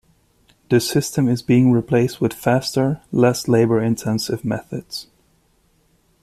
This system is being replaced with faster, less labor-intensive methods.